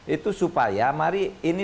itu supaya mari ini